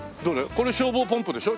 これ消防ポンプでしょ？